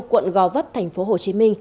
quận gò vấp tp hcm